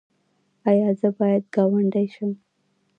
ایا زه باید ګاونډی شم؟